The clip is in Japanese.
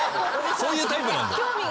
そういうタイプなんで。